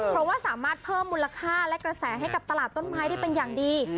เพราะว่าสามารถเพิ่มมูลค่าและกระแสให้กับตลาดต้นไม้ได้เป็นอย่างดี